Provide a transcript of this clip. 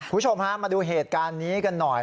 คุณผู้ชมฮะมาดูเหตุการณ์นี้กันหน่อย